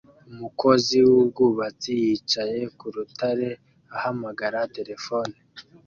umukozi wubwubatsi yicaye ku rutare ahamagara terefone